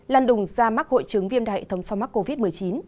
lăn đùng ra mắc hội chứng viêm đa hệ thống so mắc covid một mươi chín